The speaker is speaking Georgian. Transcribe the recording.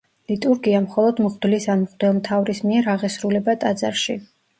ლიტურგია მხოლოდ მღვდლის ან მღვდელთმთავრის მიერ აღესრულება ტაძარში.